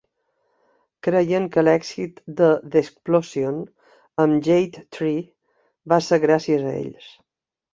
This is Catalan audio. Creien que l'èxit de "The Explosion" amb Jade Tree va ser gràcies a ells.